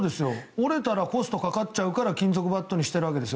折れたらコストがかかっちゃうから金属バットにしてるわけですよ。